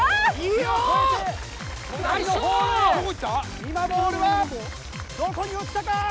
今ボールはどこに落ちたか？